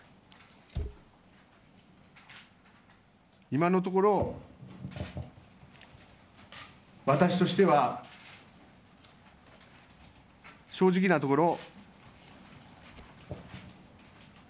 今のところ私としては正直なところ。